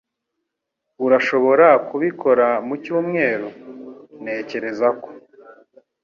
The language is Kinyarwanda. "Urashobora kubikora mu cyumweru?" "Ntekereza ko."